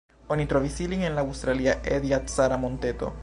Oni trovis ilin en la aŭstralia Ediacara-monteto.